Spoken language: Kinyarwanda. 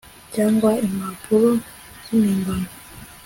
cyangwa impampuro z impimbano